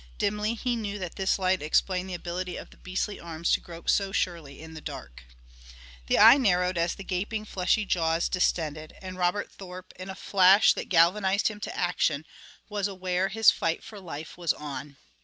Dimly he knew that this light explained the ability of the beastly arms to grope so surely in the dark. The eye narrowed as the gaping, fleshy jaws distended, and Robert Thorpe, in a flash that galvanized him to action, was aware that his fight for life was on.